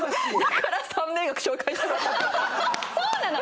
そうなの。